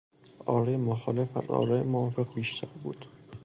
آرای مخالف از آرای موافق بیشتر بود.